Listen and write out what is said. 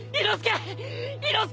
伊之助！